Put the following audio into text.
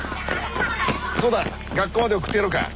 そうだ学校まで送ってやろうか。